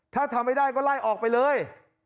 ถ้าทำไม่ได้ก็ไล่ออกไปเลย